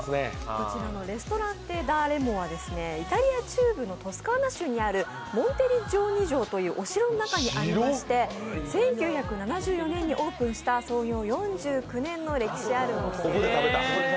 こちらのリストランテダレモは、イタリア中部トスカーナ州にあるモンテリッジョーニ城というお城の中にありまして、１９７４年にオープンした創業４９年の歴史あるお店です。